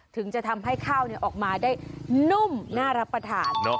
ถึงจะทำให้ข้าวออกมาได้นุ่มน่ารับประทาน